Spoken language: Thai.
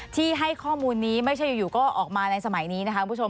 ที่ให้ข้อมูลนี้ไม่ใช่อยู่ก็ออกมาในสมัยนี้นะคะคุณผู้ชม